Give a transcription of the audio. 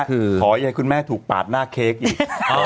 ขอให้คุณแม่ถูกปาดหน้าเค้กอีก